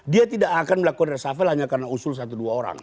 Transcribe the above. dia tidak akan melakukan resafel hanya karena usul satu dua orang